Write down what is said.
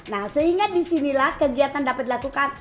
nah sehingga di sinilah kegiatan dapat dilakukan